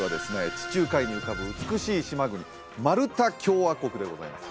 地中海に浮かぶ美しい島国マルタ共和国でございます